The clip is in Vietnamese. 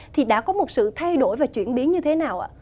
thì đã có một sự thay đổi và chuyển biến như thế nào ạ